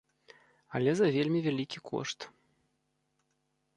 Але за вельмі вялікі кошт.